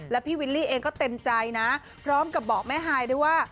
แล้วพี่วิลลี่เองก็เต็มใจนะพร้อมกับบอกแม่ฮายด้วยว่า